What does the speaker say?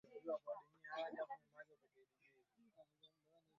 Bashkortostan Tatarstan Sakha Yakutia ikawa sehemu ya Shirikisho